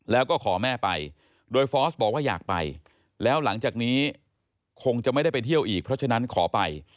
แล้วก็ขอแม่ไปโดยฟอสบอกว่าอยากไปแล้วหลังจากนี้คงจะไม่ได้ไปเที่ยวอีกเพราะฉะนั้นขอไป